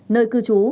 nơi cư trú